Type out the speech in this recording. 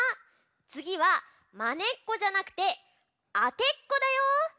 つぎはまねっこじゃなくてあてっこだよ。